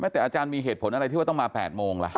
แต่อาจารย์มีเหตุผลอะไรที่ว่าต้องมา๘โมงล่ะ